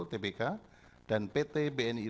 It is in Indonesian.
tbk dan pt bni